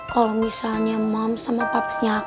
kalau misalnya mam sama papanya aku balik